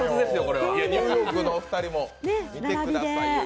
ニューヨークのお二人も、見てくださいよ。